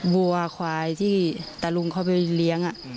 บัวควายที่ตะลุงเขาไปเลี้ยง